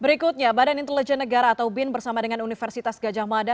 berikutnya badan intelijen negara atau bin bersama dengan universitas gajah mada